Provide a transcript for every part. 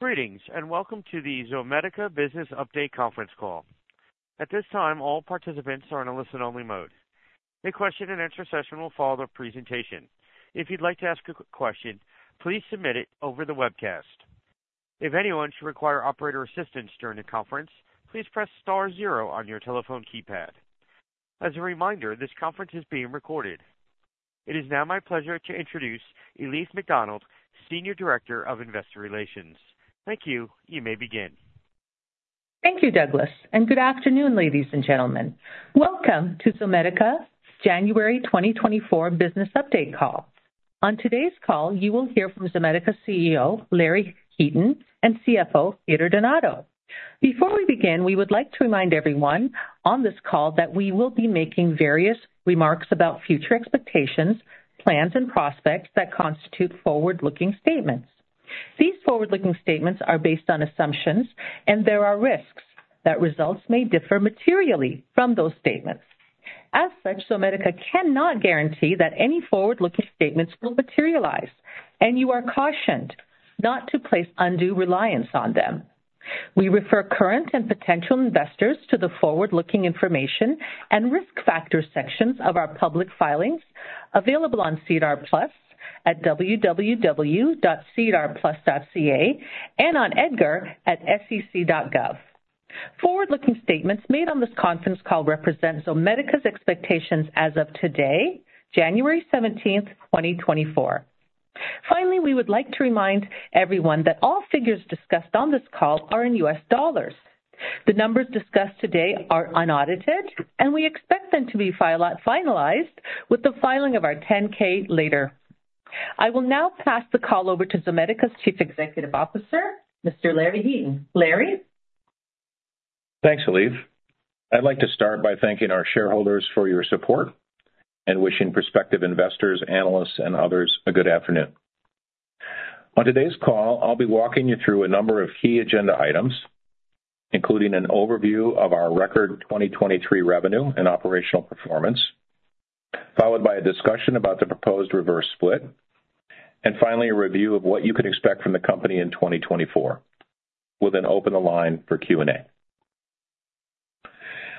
Greetings, and welcome to the Zomedica Business Update conference call. At this time, all participants are in a listen-only mode. A question and answer session will follow the presentation. If you'd like to ask a question, please submit it over the webcast. If anyone should require operator assistance during the conference, please press star zero on your telephone keypad. As a reminder, this conference is being recorded. It is now my pleasure to introduce Elif McDonald, Senior Director, Investor Relations. Thank you. You may begin. Thank you, Douglas, and good afternoon, ladies and gentlemen. Welcome to Zomedica's January 2024 business update call. On today's call, you will hear from Zomedica's CEO, Larry Heaton, and CFO, Peter Donato. Before we begin, we would like to remind everyone on this call that we will be making various remarks about future expectations, plans, and prospects that constitute forward-looking statements. These forward-looking statements are based on assumptions, and there are risks that results may differ materially from those statements. As such, Zomedica cannot guarantee that any forward-looking statements will materialize, and you are cautioned not to place undue reliance on them. We refer current and potential investors to the forward-looking information and risk factors sections of our public filings, available on SEDAR+ at www.sedarplus.ca and on EDGAR at sec.gov. Forward-looking statements made on this conference call represent Zomedica's expectations as of today, January 17, 2024. Finally, we would like to remind everyone that all figures discussed on this call are in US dollars. The numbers discussed today are unaudited, and we expect them to be finalized with the filing of our 10-K later. I will now pass the call over to Zomedica's Chief Executive Officer, Mr. Larry Heaton. Larry? Thanks, Elif. I'd like to start by thanking our shareholders for your support and wishing prospective investors, analysts, and others a good afternoon. On today's call, I'll be walking you through a number of key agenda items, including an overview of our record 2023 revenue and operational performance, followed by a discussion about the proposed reverse split, and finally, a review of what you can expect from the company in 2024. We'll then open the line for Q&A.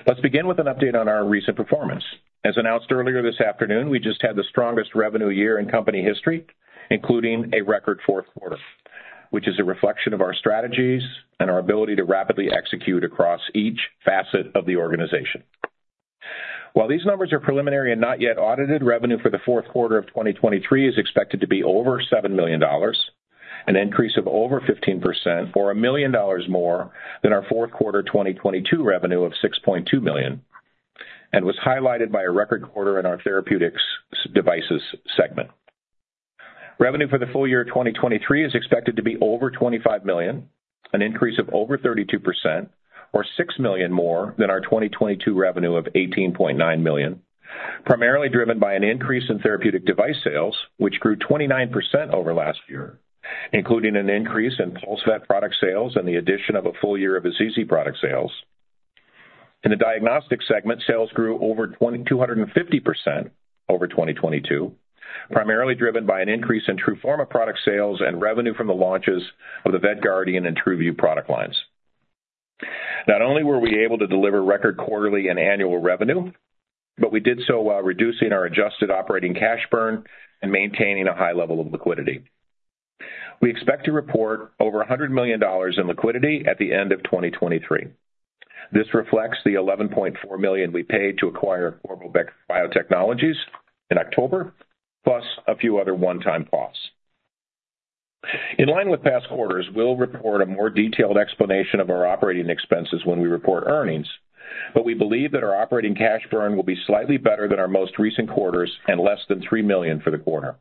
Let's begin with an update on our recent performance. As announced earlier this afternoon, we just had the strongest revenue year in company history, including a record fourth quarter, which is a reflection of our strategies and our ability to rapidly execute across each facet of the organization. While these numbers are preliminary and not yet audited, revenue for the fourth quarter of 2023 is expected to be over $7 million, an increase of over 15% or $1 million more than our fourth quarter 2022 revenue of $6.2 million, and was highlighted by a record quarter in our therapeutic devices segment. Revenue for the full year 2023 is expected to be over $25 million, an increase of over 32% or $6 million more than our 2022 revenue of $18.9 million, primarily driven by an increase in therapeutic device sales, which grew 29% over last year, including an increase in PulseVet product sales and the addition of a full year of Assisi product sales. In the diagnostic segment, sales grew over 250% over 2022, primarily driven by an increase in TRUFORMA product sales and revenue from the launches of the VetGuardian and TRUVIEW product lines. Not only were we able to deliver record quarterly and annual revenue, but we did so while reducing our adjusted operating cash burn and maintaining a high level of liquidity. We expect to report over $100 million in liquidity at the end of 2023. This reflects the $11.4 million we paid to acquire Qorvo Biotechnologies in October, plus a few other one-time costs. In line with past quarters, we'll report a more detailed explanation of our operating expenses when we report earnings, but we believe that our operating cash burn will be slightly better than our most recent quarters and less than $3 million for the quarter.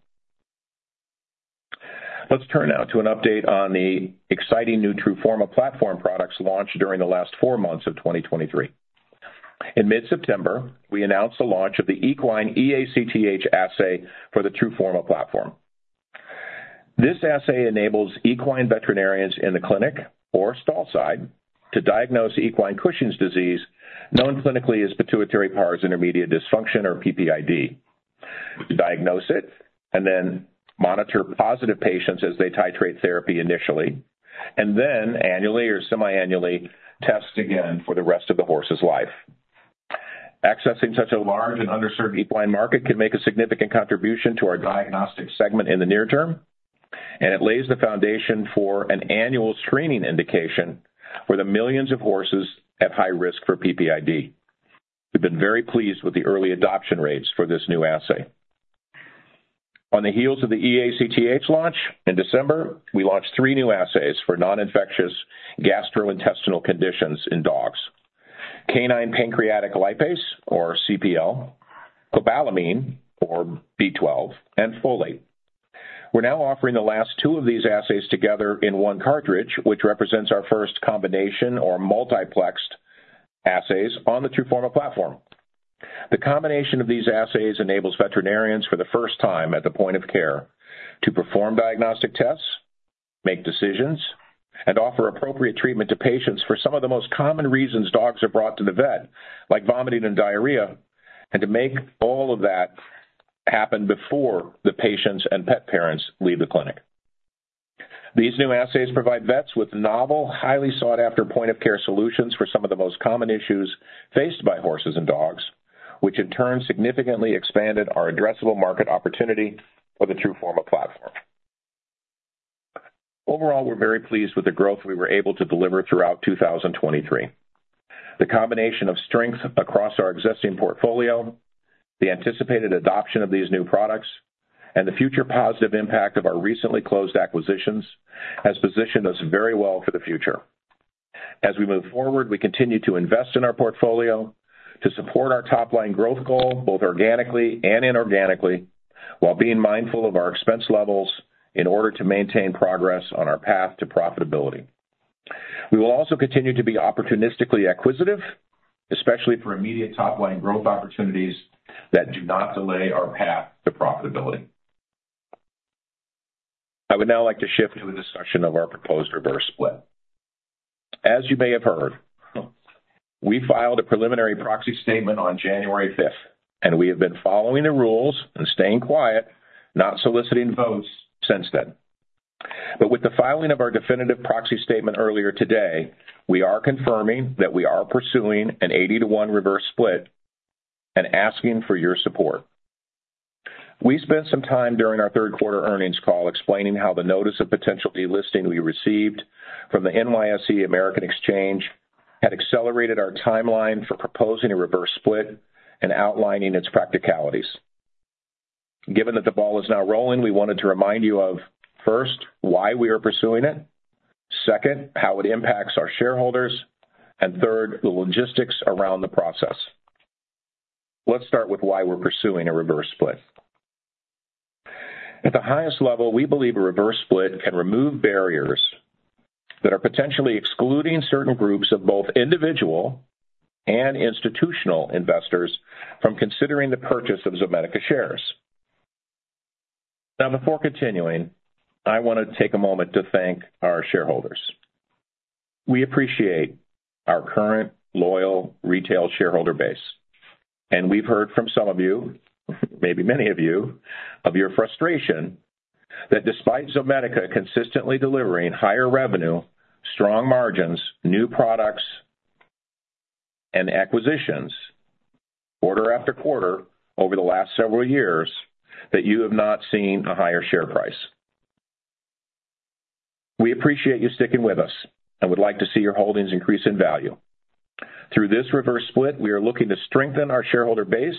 Let's turn now to an update on the exciting new TRUFORMA platform products launched during the last four months of 2023. In mid-September, we announced the launch of the Equine eACTH assay for the TRUFORMA platform. This assay enables equine veterinarians in the clinic or stall side to diagnose equine Cushing's disease, known clinically as pituitary pars intermedia dysfunction, or PPID, to diagnose it and then monitor positive patients as they titrate therapy initially, and then annually or semiannually test again for the rest of the horse's life. Accessing such a large and underserved equine market can make a significant contribution to our diagnostic segment in the near term, and it lays the foundation for an annual screening indication for the millions of horses at high risk for PPID. We've been very pleased with the early adoption rates for this new assay. On the heels of the eACTH launch, in December, we launched three new assays for non-infectious gastrointestinal conditions in dogs, Canine Pancreatic Lipase, or cPL, cobalamin, or B12, and folate. We're now offering the last two of these assays together in one cartridge, which represents our first combination or multiplexed assays on the TRUFORMA platform. The combination of these assays enables veterinarians for the first time at the point of care to perform diagnostic tests, make decisions, and offer appropriate treatment to patients for some of the most common reasons dogs are brought to the vet, like vomiting and diarrhea, and to make all of that happen before the patients and pet parents leave the clinic. These new assays provide vets with novel, highly sought-after point-of-care solutions for some of the most common issues faced by horses and dogs, which in turn significantly expanded our addressable market opportunity for the TRUFORMA platform. Overall, we're very pleased with the growth we were able to deliver throughout 2023. The combination of strength across our existing portfolio, the anticipated adoption of these new products, and the future positive impact of our recently closed acquisitions, has positioned us very well for the future. As we move forward, we continue to invest in our portfolio to support our top-line growth goal, both organically and inorganically, while being mindful of our expense levels in order to maintain progress on our path to profitability. We will also continue to be opportunistically acquisitive, especially for immediate top-line growth opportunities that do not delay our path to profitability. I would now like to shift to a discussion of our proposed reverse split. As you may have heard, we filed a preliminary proxy statement on January 5th, and we have been following the rules and staying quiet, not soliciting votes since then. But with the filing of our definitive proxy statement earlier today, we are confirming that we are pursuing an 80-to-1 reverse split and asking for your support. We spent some time during our third quarter earnings call explaining how the notice of potential delisting we received from the NYSE American had accelerated our timeline for proposing a reverse split and outlining its practicalities. Given that the ball is now rolling, we wanted to remind you of, first, why we are pursuing it, second, how it impacts our shareholders, and third, the logistics around the process. Let's start with why we're pursuing a reverse split. At the highest level, we believe a reverse split can remove barriers that are potentially excluding certain groups of both individual and institutional investors from considering the purchase of Zomedica shares. Now, before continuing, I want to take a moment to thank our shareholders. We appreciate our current loyal retail shareholder base, and we've heard from some of you, maybe many of you, of your frustration that despite Zomedica consistently delivering higher revenue, strong margins, new products, and acquisitions quarter after quarter over the last several years, that you have not seen a higher share price. We appreciate you sticking with us and would like to see your holdings increase in value. Through this reverse split, we are looking to strengthen our shareholder base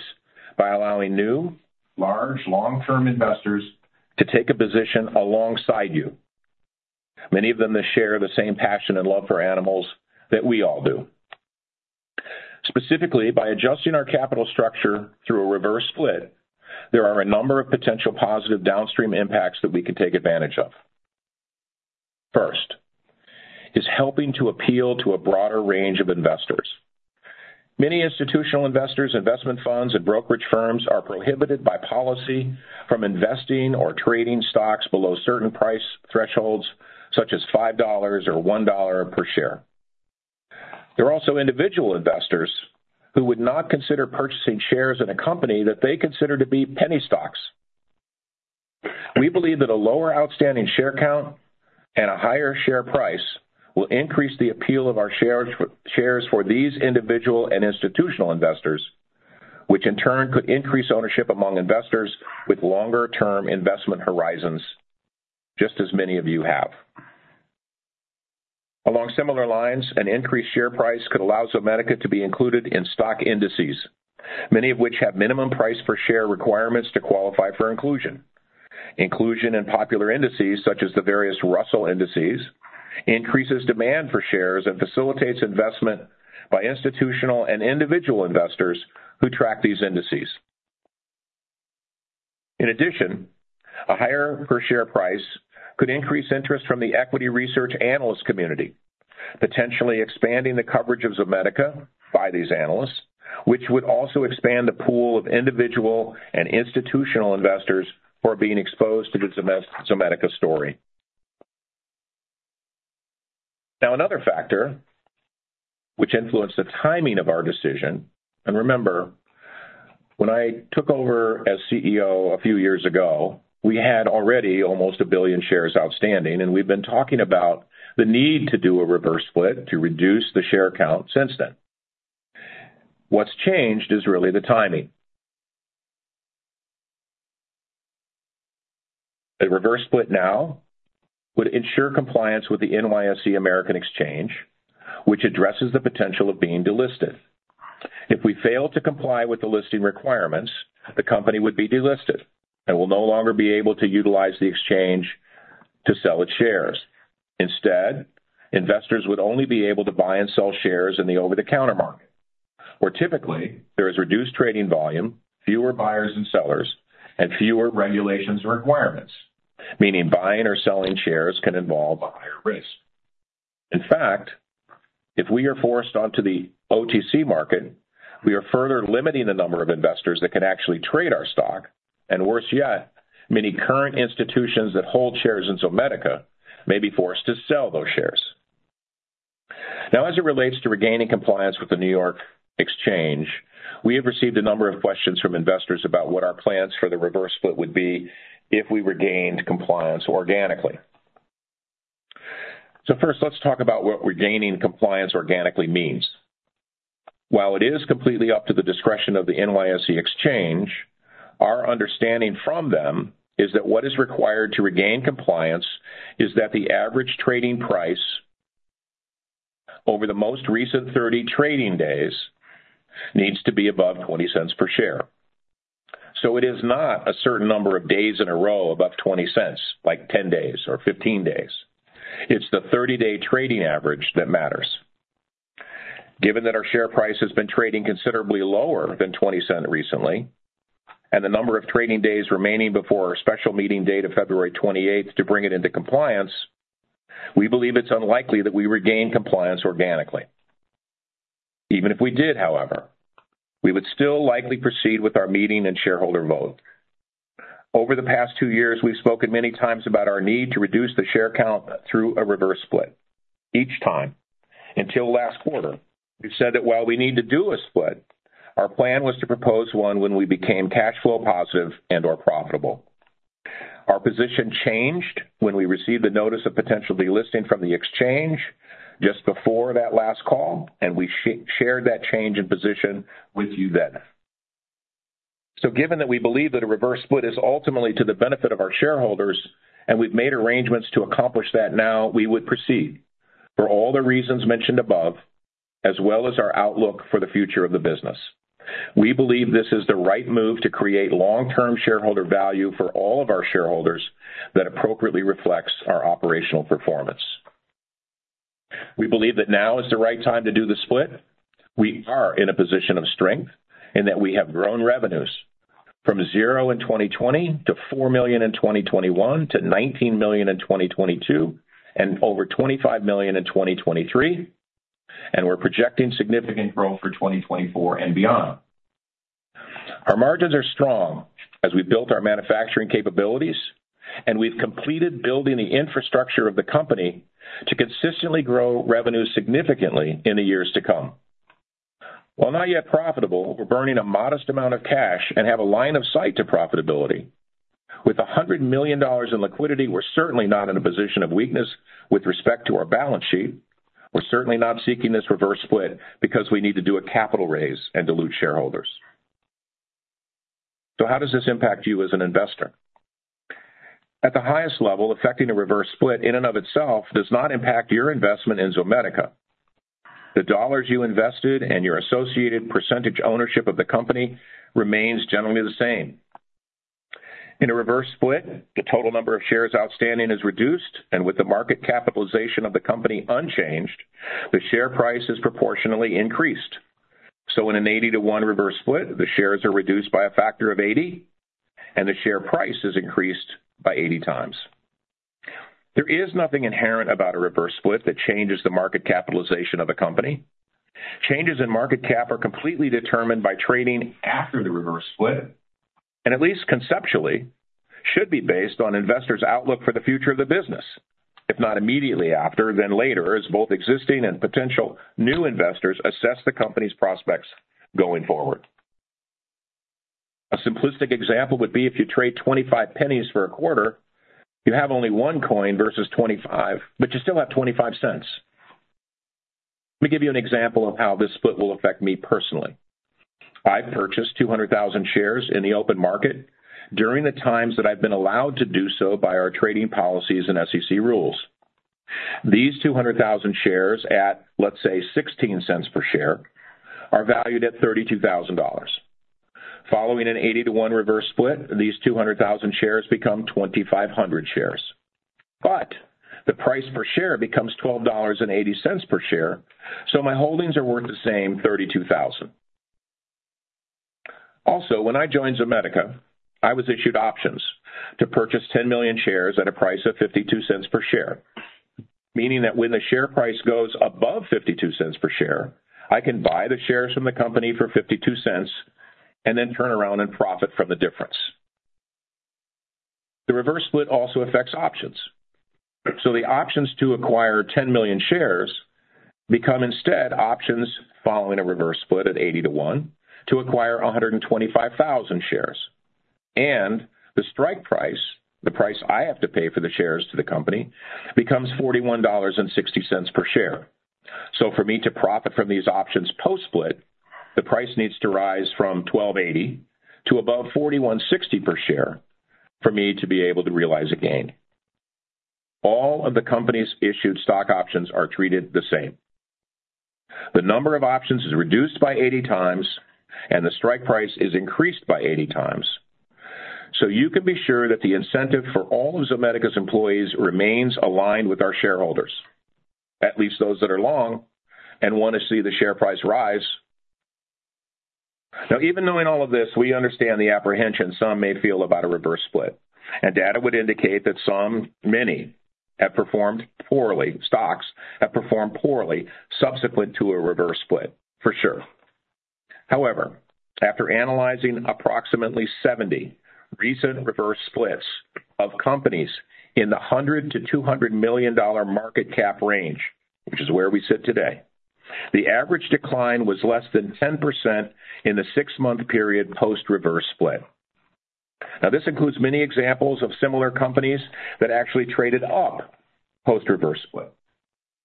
by allowing new, large, long-term investors to take a position alongside you, many of them that share the same passion and love for animals that we all do. Specifically, by adjusting our capital structure through a reverse split, there are a number of potential positive downstream impacts that we can take advantage of. First is helping to appeal to a broader range of investors. Many institutional investors, investment funds, and brokerage firms are prohibited by policy from investing or trading stocks below certain price thresholds, such as $5 or $1 per share. There are also individual investors who would not consider purchasing shares in a company that they consider to be penny stocks. We believe that a lower outstanding share count and a higher share price will increase the appeal of our shares for these individual and institutional investors, which in turn could increase ownership among investors with longer-term investment horizons, just as many of you have. Along similar lines, an increased share price could allow Zomedica to be included in stock indices, many of which have minimum price per share requirements to qualify for inclusion. Inclusion in popular indices, such as the various Russell indices, increases demand for shares and facilitates investment by institutional and individual investors who track these indices. In addition, a higher per share price could increase interest from the equity research analyst community, potentially expanding the coverage of Zomedica by these analysts, which would also expand the pool of individual and institutional investors who are being exposed to the Zomedica story. Now, another factor which influenced the timing of our decision, and remember, when I took over as CEO a few years ago, we had already almost 1 billion shares outstanding, and we've been talking about the need to do a reverse split to reduce the share count since then. What's changed is really the timing. A reverse split now would ensure compliance with the NYSE American, which addresses the potential of being delisted. If we fail to comply with the listing requirements, the company would be delisted and will no longer be able to utilize the exchange to sell its shares. Instead, investors would only be able to buy and sell shares in the over-the-counter market, where typically there is reduced trading volume, fewer buyers and sellers, and fewer regulations or requirements, meaning buying or selling shares can involve a higher risk. In fact, if we are forced onto the OTC market, we are further limiting the number of investors that can actually trade our stock, and worse yet, many current institutions that hold shares in Zomedica may be forced to sell those shares. Now, as it relates to regaining compliance with the NYSE, we have received a number of questions from investors about what our plans for the reverse split would be if we regained compliance organically. So first, let's talk about what regaining compliance organically means. While it is completely up to the discretion of the NYSE American, our understanding from them is that what is required to regain compliance is that the average trading price over the most recent 30 trading days needs to be above $0.20 per share. So it is not a certain number of days in a row above $0.20, like 10 days or 15 days. It's the 30-day trading average that matters. Given that our share price has been trading considerably lower than $0.20 recently, and the number of trading days remaining before our special meeting date of February 28 to bring it into compliance, we believe it's unlikely that we regain compliance organically. Even if we did, however, we would still likely proceed with our meeting and shareholder vote. Over the past two years, we've spoken many times about our need to reduce the share count through a reverse split. Each time, until last quarter, we've said that while we need to do a split, our plan was to propose one when we became cash flow positive and or profitable. Our position changed when we received a notice of potential delisting from the exchange just before that last call, and we shared that change in position with you then. So given that we believe that a reverse split is ultimately to the benefit of our shareholders, and we've made arrangements to accomplish that now, we would proceed. For all the reasons mentioned above, as well as our outlook for the future of the business, we believe this is the right move to create long-term shareholder value for all of our shareholders that appropriately reflects our operational performance. We believe that now is the right time to do the split. We are in a position of strength and that we have grown revenues from 0 in 2020 to $4 million in 2021, to $19 million in 2022, and over $25 million in 2023, and we're projecting significant growth for 2024 and beyond. Our margins are strong as we built our manufacturing capabilities, and we've completed building the infrastructure of the company to consistently grow revenues significantly in the years to come. While not yet profitable, we're burning a modest amount of cash and have a line of sight to profitability. With $100 million in liquidity, we're certainly not in a position of weakness with respect to our balance sheet. We're certainly not seeking this reverse split because we need to do a capital raise and dilute shareholders. So how does this impact you as an investor? At the highest level, affecting a reverse split in and of itself does not impact your investment in Zomedica. The dollars you invested and your associated percentage ownership of the company remains generally the same. In a reverse split, the total number of shares outstanding is reduced, and with the market capitalization of the company unchanged, the share price is proportionally increased. So in an 80-to-1 reverse split, the shares are reduced by a factor of 80, and the share price is increased by 80 times. There is nothing inherent about a reverse split that changes the market capitalization of a company. Changes in market cap are completely determined by trading after the reverse split, and at least conceptually, should be based on investors' outlook for the future of the business, if not immediately after, then later, as both existing and potential new investors assess the company's prospects going forward. A simplistic example would be if you trade 25 pennies for a quarter, you have only 1 coin versus 25, but you still have 25 cents. Let me give you an example of how this split will affect me personally. I purchased 200,000 shares in the open market during the times that I've been allowed to do so by our trading policies and SEC rules. These 200,000 shares at, let's say, $0.16 per share, are valued at $32,000. Following an 80-to-1 reverse split, these 200,000 shares become 2,500 shares, but the price per share becomes $12.80 per share, so my holdings are worth the same, $32,000. Also, when I joined Zomedica, I was issued options to purchase 10 million shares at a price of $0.52 per share. Meaning that when the share price goes above $0.52 per share, I can buy the shares from the company for $0.52 and then turn around and profit from the difference. The reverse split also affects options. So the options to acquire 10 million shares become instead options following a reverse split at 80-to-1, to acquire 125,000 shares. And the strike price, the price I have to pay for the shares to the company, becomes $41.60 per share. So for me to profit from these options post-split, the price needs to rise from $12.80 to above $41.60 per share for me to be able to realize a gain. All of the company's issued stock options are treated the same. The number of options is reduced by 80 times, and the strike price is increased by 80 times. So you can be sure that the incentive for all of Zomedica's employees remains aligned with our shareholders, at least those that are long and want to see the share price rise. Now, even knowing all of this, we understand the apprehension some may feel about a reverse split, and data would indicate that some, many, have performed poorly, stocks have performed poorly subsequent to a reverse split, for sure. However, after analyzing approximately 70 recent reverse splits of companies in the $100 million-$200 million market cap range, which is where we sit today, the average decline was less than 10% in the 6-month period post-reverse split. Now, this includes many examples of similar companies that actually traded up post-reverse split.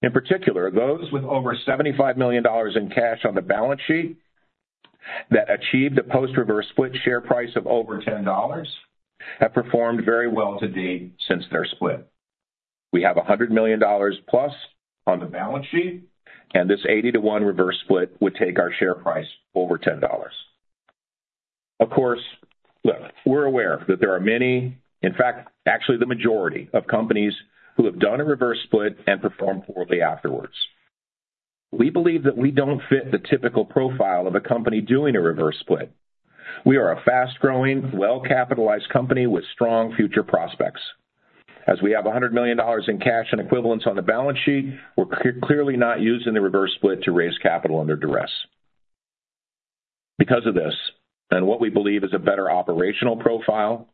In particular, those with over $75 million in cash on the balance sheet that achieved a post-reverse split share price of over $10, have performed very well to date since their split. We have $100 million plus on the balance sheet, and this 80-to-1 reverse split would take our share price over $10. Of course, look, we're aware that there are many, in fact, actually the majority of companies who have done a reverse split and performed poorly afterwards. We believe that we don't fit the typical profile of a company doing a reverse split. We are a fast-growing, well-capitalized company with strong future prospects. As we have $100 million in cash and equivalents on the balance sheet, we're clearly not using the reverse split to raise capital under duress. Because of this, and what we believe is a better operational profile,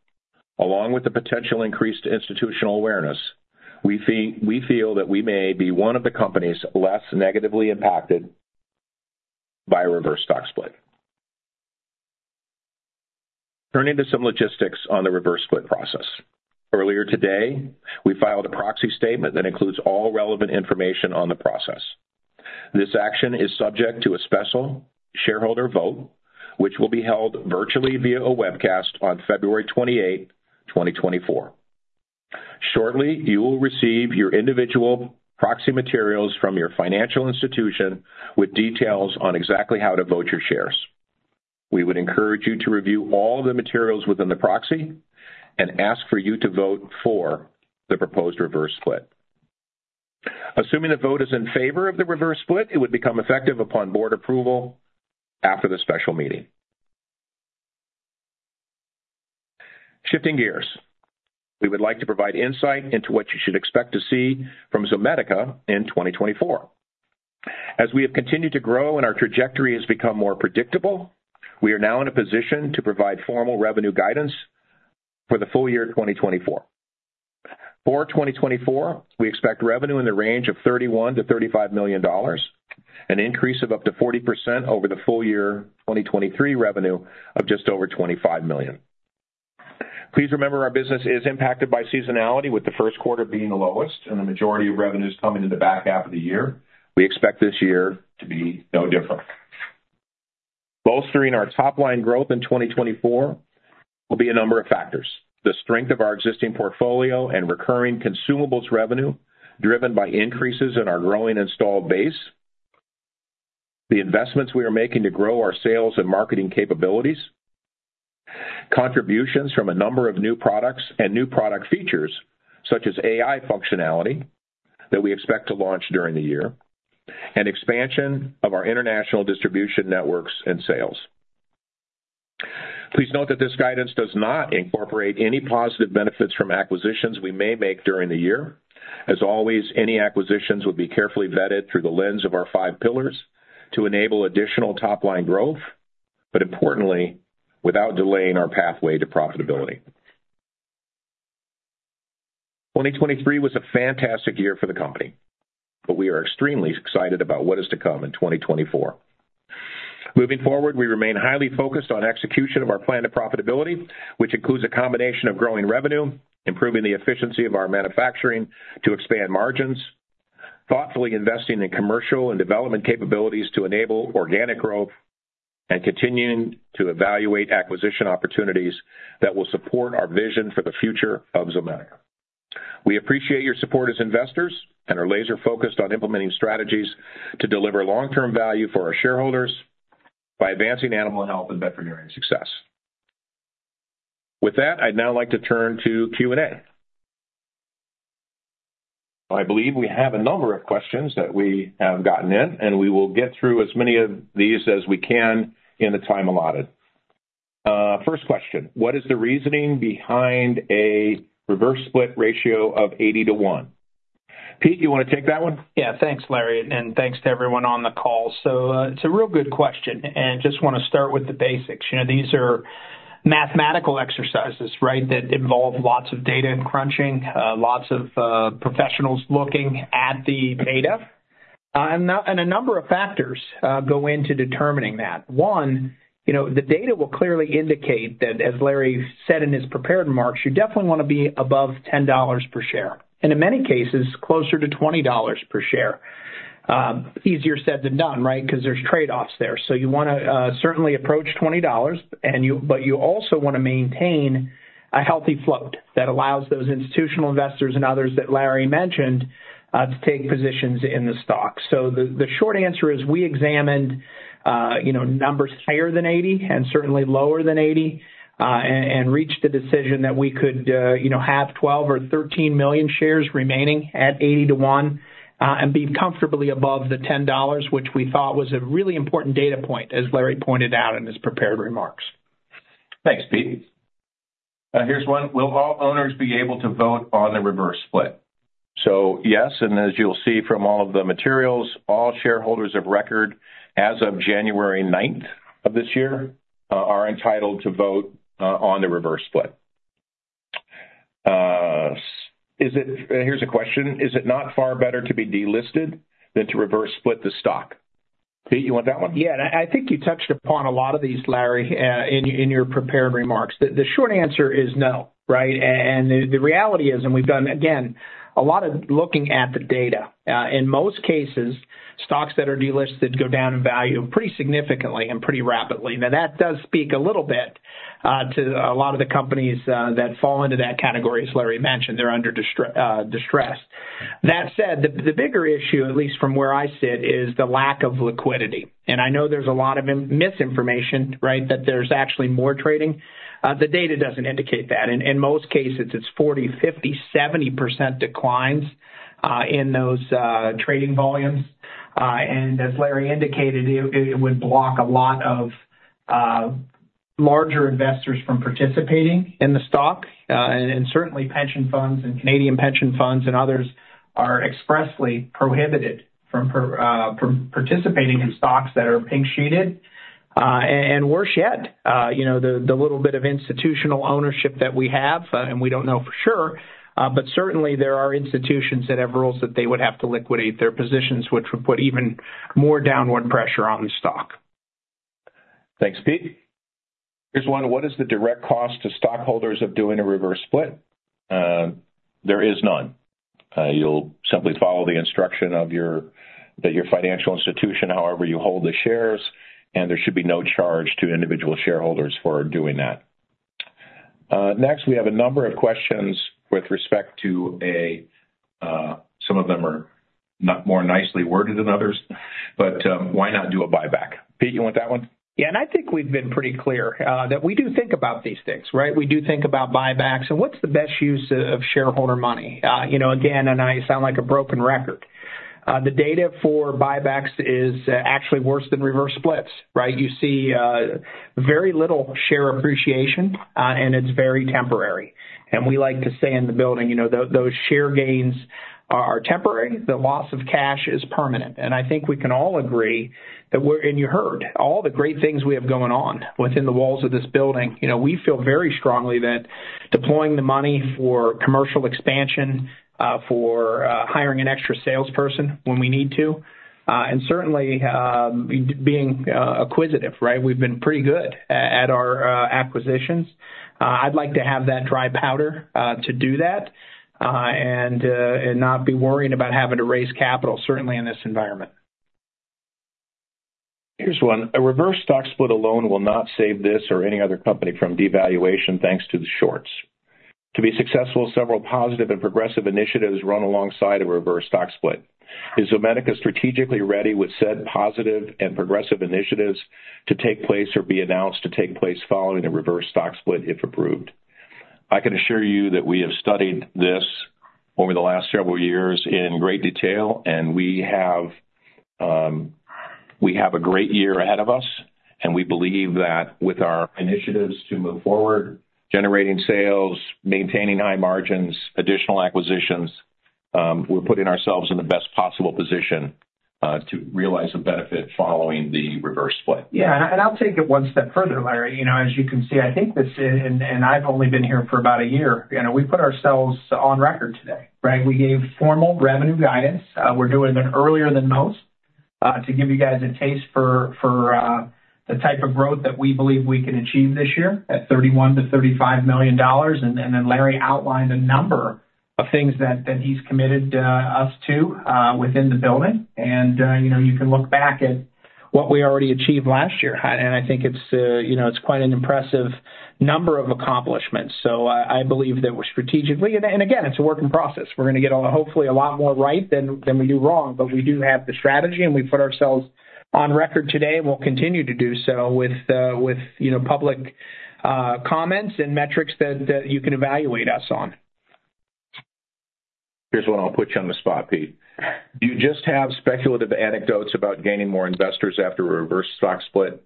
along with the potential increased institutional awareness, we feel that we may be one of the companies less negatively impacted by a reverse stock split. Turning to some logistics on the reverse split process. Earlier today, we filed a proxy statement that includes all relevant information on the process. This action is subject to a special shareholder vote, which will be held virtually via a webcast on February 28, 2024. Shortly, you will receive your individual proxy materials from your financial institution with details on exactly how to vote your shares. We would encourage you to review all the materials within the proxy and ask for you to vote for the proposed reverse split. Assuming the vote is in favor of the reverse split, it would become effective upon board approval after the special meeting. Shifting gears, we would like to provide insight into what you should expect to see from Zomedica in 2024. As we have continued to grow and our trajectory has become more predictable, we are now in a position to provide formal revenue guidance for the full year 2024. For 2024, we expect revenue in the range of $31 million-$35 million, an increase of up to 40% over the full year 2023 revenue of just over $25 million. Please remember, our business is impacted by seasonality, with the first quarter being the lowest and the majority of revenues coming in the back half of the year. We expect this year to be no different. Bolstering our top-line growth in 2024 will be a number of factors. The strength of our existing portfolio and recurring consumables revenue, driven by increases in our growing installed base, the investments we are making to grow our sales and marketing capabilities, contributions from a number of new products and new product features, such as AI functionality, that we expect to launch during the year, and expansion of our international distribution networks and sales. Please note that this guidance does not incorporate any positive benefits from acquisitions we may make during the year. As always, any acquisitions would be carefully vetted through the lens of our five pillars to enable additional top-line growth, but importantly, without delaying our pathway to profitability. 2023 was a fantastic year for the company, but we are extremely excited about what is to come in 2024. Moving forward, we remain highly focused on execution of our plan to profitability, which includes a combination of growing revenue, improving the efficiency of our manufacturing to expand margins, thoughtfully investing in commercial and development capabilities to enable organic growth, and continuing to evaluate acquisition opportunities that will support our vision for the future of Zomedica. We appreciate your support as investors and are laser-focused on implementing strategies to deliver long-term value for our shareholders by advancing animal health and veterinary success. With that, I'd now like to turn to Q&A. I believe we have a number of questions that we have gotten in, and we will get through as many of these as we can in the time allotted. First question: What is the reasoning behind a reverse split ratio of 80-to-1? Pete, you want to take that one? Yeah. Thanks, Larry, and thanks to everyone on the call. So, it's a real good question, and just want to start with the basics. You know, these are mathematical exercises, right? That involve lots of data and crunching, lots of, professionals looking at the data. And a, and a number of factors, go into determining that. One, you know, the data will clearly indicate that, as Larry said in his prepared remarks, you definitely want to be above $10 per share, and in many cases, closer to $20 per share. Easier said than done, right? Because there's trade-offs there. So you wanna, certainly approach $20 and you-- but you also want to maintain a healthy float that allows those institutional investors and others that Larry mentioned, to take positions in the stock. So the short answer is, we examined, you know, numbers higher than 80 and certainly lower than 80, and reached the decision that we could, you know, have 12 or 13 million shares remaining at 80-to-1, and be comfortably above the $10, which we thought was a really important data point, as Larry pointed out in his prepared remarks. Thanks, Pete. Here's one: Will all owners be able to vote on the reverse split? So, yes, and as you'll see from all of the materials, all shareholders of record as of January ninth of this year are entitled to vote on the reverse split. Is it. Here's a question: Is it not far better to be delisted than to reverse split the stock? Pete, you want that one? Yeah, and I think you touched upon a lot of these, Larry, in your prepared remarks. The short answer is no, right? And the reality is, and we've done, again, a lot of looking at the data. In most cases, stocks that are delisted go down in value pretty significantly and pretty rapidly. Now, that does speak a little bit to a lot of the companies that fall into that category, as Larry mentioned, they're under distress. That said, the bigger issue, at least from where I sit, is the lack of liquidity. And I know there's a lot of misinformation, right, that there's actually more trading. The data doesn't indicate that. In most cases, it's 40, 50, 70% declines in those trading volumes. And as Larry indicated, it would block a lot of larger investors from participating in the stock. And certainly, pension funds and Canadian pension funds and others are expressly prohibited from participating in stocks that are pink sheeted. And worse yet, you know, the little bit of institutional ownership that we have, and we don't know for sure, but certainly there are institutions that have rules that they would have to liquidate their positions, which would put even more downward pressure on the stock. Thanks, Pete. Here's one: What is the direct cost to stockholders of doing a reverse split? There is none. You'll simply follow the instruction of your, that your financial institution, however you hold the shares, and there should be no charge to individual shareholders for doing that. Next, we have a number of questions with respect to a, some of them are not more nicely worded than others, but, why not do a buyback? Pete, you want that one? Yeah, and I think we've been pretty clear that we do think about these things, right? We do think about buybacks and what's the best use of shareholder money. You know, again, and I sound like a broken record. The data for buybacks is actually worse than reverse splits, right? You see, very little share appreciation, and it's very temporary. And we like to say in the building, you know, those share gains are temporary, the loss of cash is permanent. And I think we can all agree that we're... And you heard all the great things we have going on within the walls of this building. You know, we feel very strongly that deploying the money for commercial expansion, for hiring an extra salesperson when we need to, and certainly being acquisitive, right? We've been pretty good at our acquisitions. I'd like to have that dry powder to do that, and not be worrying about having to raise capital, certainly in this environment. Here's one: A reverse stock split alone will not save this or any other company from devaluation, thanks to the shorts. To be successful, several positive and progressive initiatives run alongside a reverse stock split. Is Zomedica strategically ready with said positive and progressive initiatives to take place or be announced to take place following a reverse stock split, if approved? I can assure you that we have studied this over the last several years in great detail, and we have, we have a great year ahead of us, and we believe that with our initiatives to move forward, generating sales, maintaining high margins, additional acquisitions, we're putting ourselves in the best possible position, to realize a benefit following the reverse split. Yeah, and I'll take it one step further, Larry. You know, as you can see, I think this, and I've only been here for about a year. You know, we put ourselves on record today, right? We gave formal revenue guidance. We're doing it earlier than most to give you guys a taste for the type of growth that we believe we can achieve this year at $31 million-$35 million. And then Larry outlined a number of things that he's committed us to within the building. And you know, you can look back at what we already achieved last year, and I think it's you know, it's quite an impressive number of accomplishments. So I believe that we're strategically and again, it's a work in process. We're gonna get, hopefully, a lot more right than we do wrong, but we do have the strategy, and we've put ourselves on record today, and we'll continue to do so with, you know, public comments and metrics that you can evaluate us on. Here's one, I'll put you on the spot, Pete. Do you just have speculative anecdotes about gaining more investors after a reverse stock split,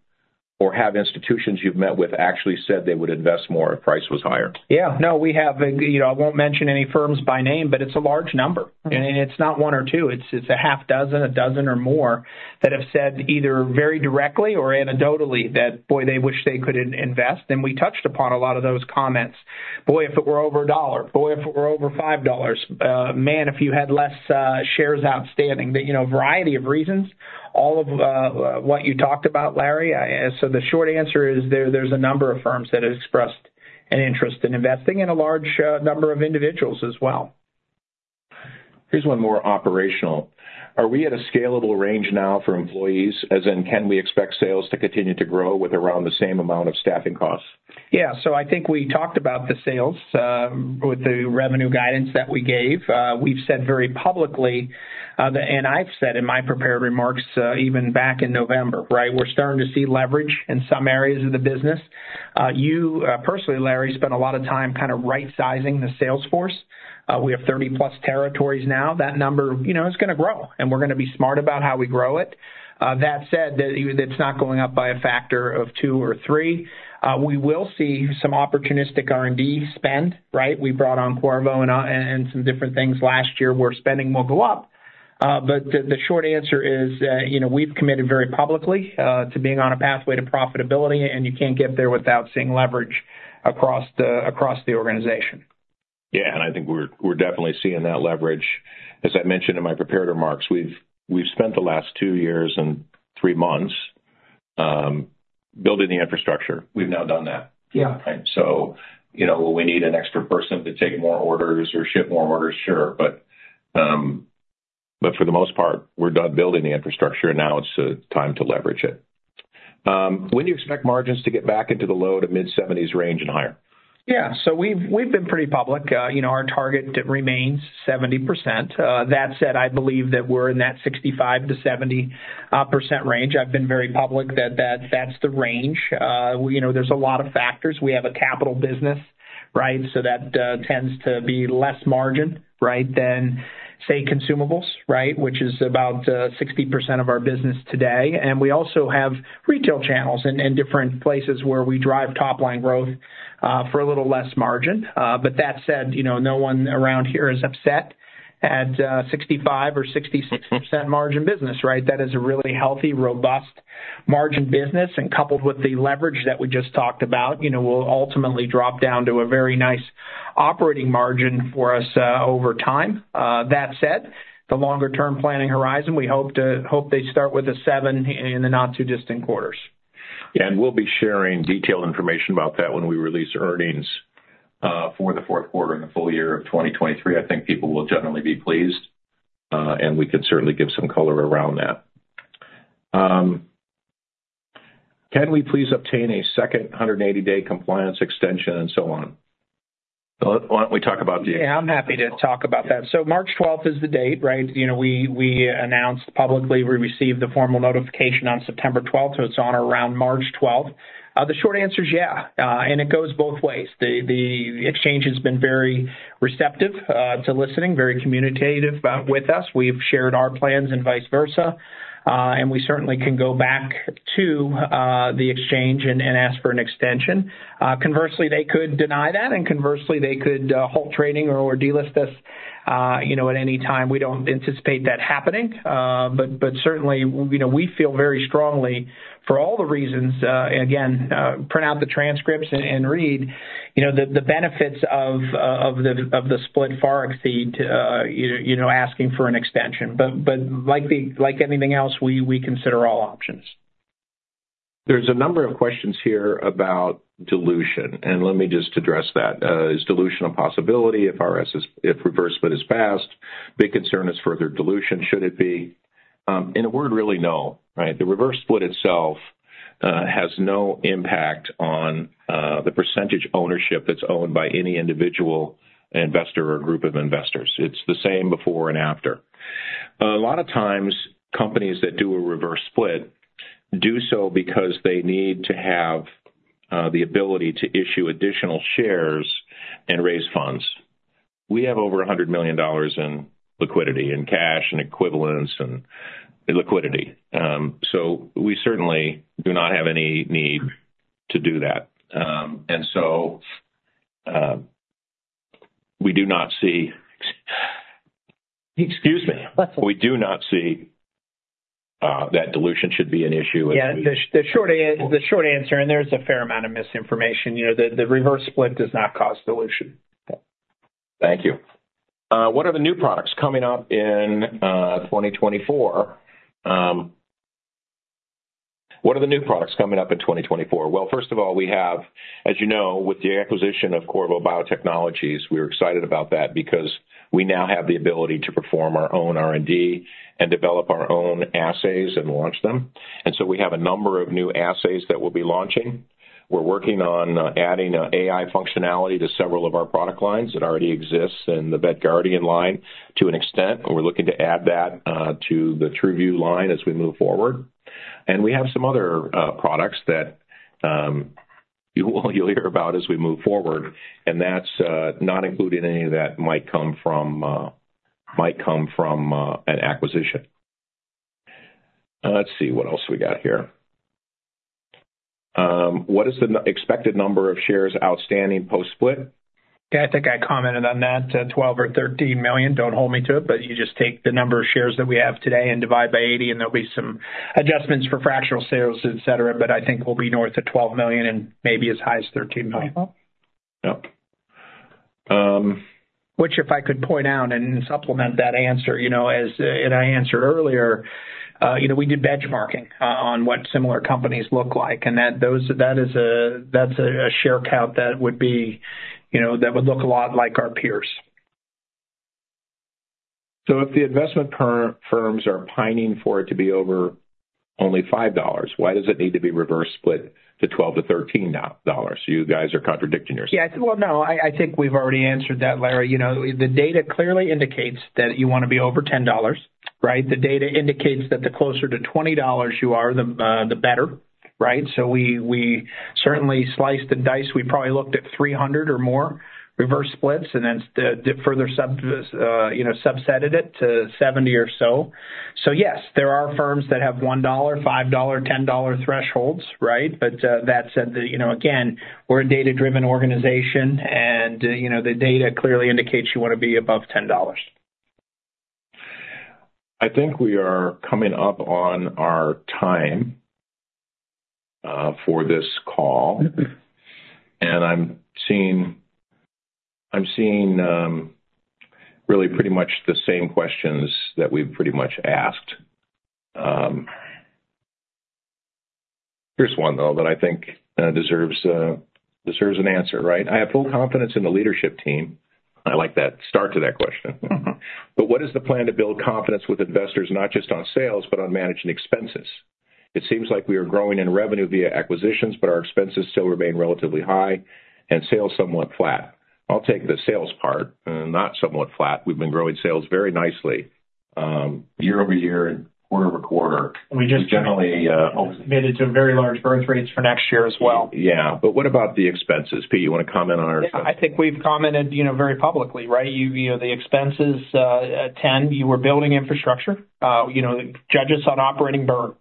or have institutions you've met with actually said they would invest more if price was higher? Yeah. No, we have, you know, I won't mention any firms by name, but it's a large number. It's not one or two, it's a half dozen, a dozen or more, that have said, either very directly or anecdotally, that, boy, they wish they could invest, and we touched upon a lot of those comments. "Boy, if it were over a dollar. Boy, if it were over five dollars. Man, if you had less shares outstanding." But, you know, a variety of reasons, all of what you talked about, Larry. So the short answer is there's a number of firms that have expressed an interest in investing and a large number of individuals as well. Here's one more operational: Are we at a scalable range now for employees? As in, can we expect sales to continue to grow with around the same amount of staffing costs? Yeah, so I think we talked about the sales with the revenue guidance that we gave. We've said very publicly, and I've said in my prepared remarks, even back in November, right? We're starting to see leverage in some areas of the business. You personally, Larry, spent a lot of time kind of right-sizing the sales force. We have 30-plus territories now. That number, you know, is gonna grow, and we're gonna be smart about how we grow it. That said, it's not going up by a factor of 2 or 3. We will see some opportunistic R&D spend, right? We brought on Qorvo and some different things last year, where spending will go up. But the short answer is, you know, we've committed very publicly to being on a pathway to profitability, and you can't get there without seeing leverage across the organization. Yeah, and I think we're definitely seeing that leverage. As I mentioned in my prepared remarks, we've spent the last two years and three months building the infrastructure. We've now done that. Yeah. Right? So, you know, will we need an extra person to take more orders or ship more orders? Sure. But for the most part, we're done building the infrastructure, and now it's time to leverage it. When do you expect margins to get back into the low- to mid-70s range and higher? Yeah. So we've, we've been pretty public. You know, our target remains 70%. That said, I believe that we're in that 65%-70% range. I've been very public that, that, that's the range. You know, there's a lot of factors. We have a capital business, right? So that tends to be less margin, right, than, say, consumables, right, which is about 60% of our business today. And we also have retail channels and, and different places where we drive top-line growth for a little less margin. But that said, you know, no one around here is upset at 65% or 66% margin business, right? That is a really healthy, robust margin business, and coupled with the leverage that we just talked about, you know, will ultimately drop down to a very nice operating margin for us, over time. That said, the longer-term planning horizon, we hope they start with a seven in the not-too-distant quarters. Yeah, and we'll be sharing detailed information about that when we release earnings for the fourth quarter and the full year of 2023. I think people will generally be pleased, and we can certainly give some color around that. Can we please obtain a second 180-day compliance extension and so on? Why don't we talk about the- Yeah, I'm happy to talk about that. So March twelfth is the date, right? You know, we announced publicly, we received the formal notification on September twelfth, so it's on or around March twelfth. The short answer is yeah, and it goes both ways. The exchange has been very receptive to listening, very communicative with us. We've shared our plans and vice versa, and we certainly can go back to the exchange and ask for an extension. Conversely, they could deny that, and conversely, they could halt trading or delist us, you know, at any time. We don't anticipate that happening. But, but certainly, you know, we feel very strongly for all the reasons, again, print out the transcripts and read, you know, the benefits of the split far exceed, you know, asking for an extension. But, like anything else, we consider all options. There's a number of questions here about dilution, and let me just address that. Is dilution a possibility if reverse split is passed? Big concern is further dilution, should it be? In a word, really, no, right? The reverse split itself has no impact on the percentage ownership that's owned by any individual investor or group of investors. It's the same before and after. A lot of times, companies that do a reverse split do so because they need to have the ability to issue additional shares and raise funds. We have over $100 million in liquidity, in cash and equivalents and liquidity, so we certainly do not have any need to do that. So, we do not see... Excuse me. We do not see that dilution should be an issue if we- Yeah, the short answer, and there's a fair amount of misinformation, you know, the reverse split does not cause dilution. Thank you. What are the new products coming up in 2024? What are the new products coming up in 2024? Well, first of all, we have, as you know, with the acquisition of Qorvo Biotechnologies, we're excited about that because we now have the ability to perform our own R&D and develop our own assays and launch them. And so we have a number of new assays that we'll be launching. We're working on adding AI functionality to several of our product lines. It already exists in the VetGuardian line to an extent, and we're looking to add that to the TRUVIEW line as we move forward. And we have some other products that you'll hear about as we move forward, and that's not including any that might come from an acquisition. Let's see what else we got here. What is the expected number of shares outstanding post-split? Yeah, I think I commented on that, 12 or 13 million. Don't hold me to it, but you just take the number of shares that we have today and divide by 80, and there'll be some adjustments for fractional sales, et cetera, but I think we'll be north of 12 million and maybe as high as 13 million. Which, if I could point out and supplement that answer, you know, as, and I answered earlier, you know, we did benchmarking on what similar companies look like, and that, those, that is a, that's a share count that would be, you know, that would look a lot like our peers. So if the investment firms are pining for it to be over $5. Why does it need to be reverse split to $12-$13? You guys are contradicting yourselves. Yeah. Well, no, I think we've already answered that, Larry. You know, the data clearly indicates that you wanna be over $10, right? The data indicates that the closer to $20 you are, the better, right? So we certainly sliced and diced. We probably looked at 300 or more reverse splits, and then further subsetted it to 70 or so. So yes, there are firms that have $1, $5, $10 thresholds, right? But that said, you know, again, we're a data-driven organization and, you know, the data clearly indicates you wanna be above $10. I think we are coming up on our time for this call. Mm-h And I'm seeing, I'm seeing, really pretty much the same questions that we've pretty much asked. Here's one, though, that I think deserves an answer, right? I have full confidence in the leadership team. I like that start to that question. But what is the plan to build confidence with investors, not just on sales, but on managing expenses? It seems like we are growing in revenue via acquisitions, but our expenses still remain relatively high and sales somewhat flat. I'll take the sales part, not somewhat flat. We've been growing sales very nicely, year over year and quarter over quarter. We just- Generally, uh- Committed to very large birth rates for next year as well. Yeah, but what about the expenses? Pete, you wanna comment on our- I think we've commented, you know, very publicly, right? You know, the expenses at $10, you were building infrastructure. You know, judge us on operating burn,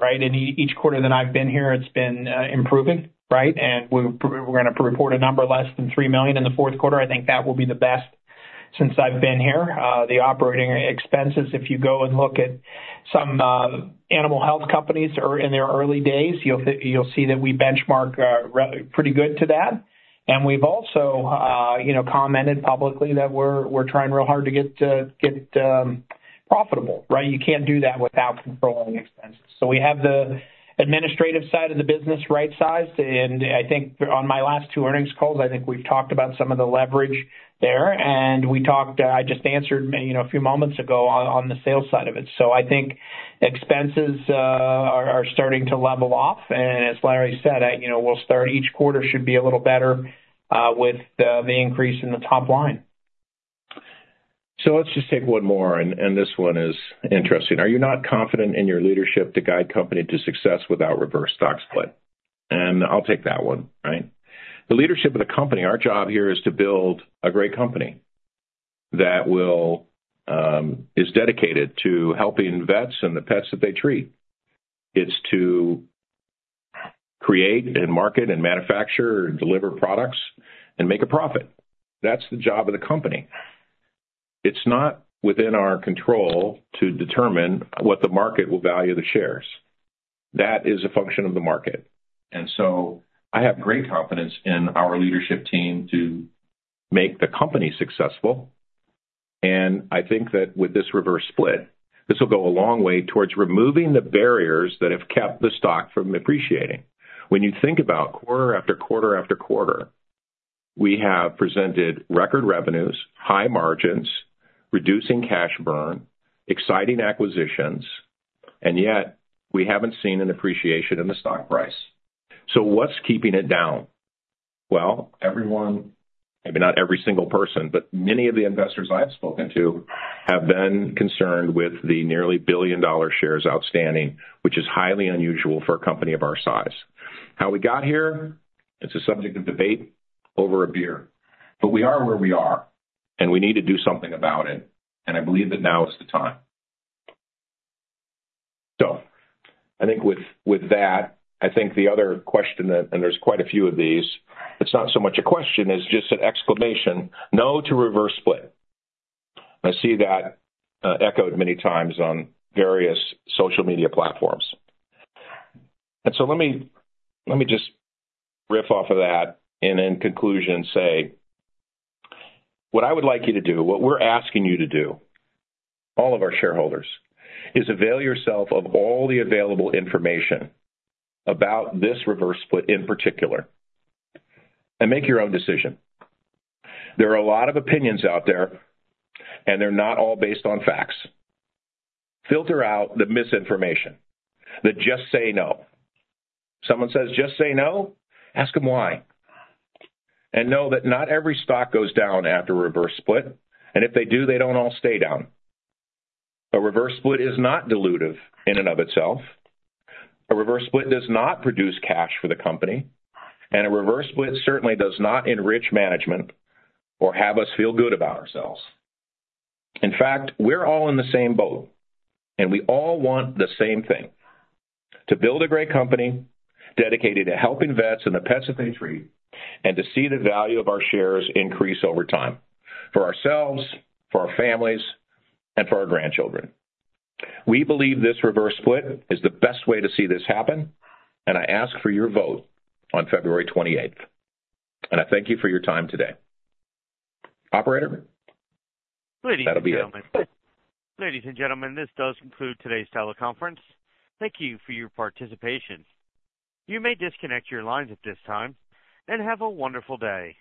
right? And each quarter that I've been here, it's been improving, right? And we're gonna report a number less than $3 million in the fourth quarter. I think that will be the best since I've been here. The operating expenses, if you go and look at some animal health companies or in their early days, you'll see that we benchmark pretty good to that. And we've also, you know, commented publicly that we're trying real hard to get to get profitable, right? You can't do that without controlling expenses. So we have the administrative side of the business right-sized, and I think on my last two earnings calls, I think we've talked about some of the leverage there. And we talked. I just answered, you know, a few moments ago on the sales side of it. So I think expenses are starting to level off. And as Larry said, I, you know, we'll start each quarter should be a little better with the increase in the top line. So let's just take one more, and, and this one is interesting. Are you not confident in your leadership to guide company to success without reverse stock split? And I'll take that one, right? The leadership of the company, our job here is to build a great company that will, is dedicated to helping vets and the pets that they treat. It's to create and market and manufacture and deliver products and make a profit. That's the job of the company. It's not within our control to determine what the market will value the shares. That is a function of the market. And so I have great confidence in our leadership team to make the company successful, and I think that with this reverse split, this will go a long way towards removing the barriers that have kept the stock from appreciating. When you think about quarter after quarter after quarter, we have presented record revenues, high margins, reducing cash burn, exciting acquisitions, and yet, we haven't seen an appreciation in the stock price. So what's keeping it down? Well, everyone, maybe not every single person, but many of the investors I've spoken to have been concerned with the nearly a billion shares outstanding, which is highly unusual for a company of our size. How we got here, it's a subject of debate over a beer. But we are where we are, and we need to do something about it, and I believe that now is the time. So I think with, with that, I think the other question, and, and there's quite a few of these, it's not so much a question, it's just an exclamation. No to reverse split. I see that echoed many times on various social media platforms. And so let me, let me just riff off of that, and in conclusion, say, what I would like you to do, what we're asking you to do, all of our shareholders, is avail yourself of all the available information about this reverse split in particular, and make your own decision. There are a lot of opinions out there, and they're not all based on facts. Filter out the misinformation, the just say no. Someone says, "Just say no?" Ask them why. And know that not every stock goes down after a reverse split, and if they do, they don't all stay down. A reverse split is not dilutive in and of itself. A reverse split does not produce cash for the company, and a reverse split certainly does not enrich management or have us feel good about ourselves. In fact, we're all in the same boat, and we all want the same thing: to build a great company dedicated to helping vets and the pets that they treat, and to see the value of our shares increase over time, for ourselves, for our families, and for our grandchildren. We believe this reverse split is the best way to see this happen, and I ask for your vote on February twenty-eighth, and I thank you for your time today. Operator, that'll be it. Ladies and gentlemen. Ladies and gentlemen, this does conclude today's teleconference. Thank you for your participation. You may disconnect your lines at this time, and have a wonderful day.